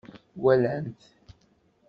Walan-t.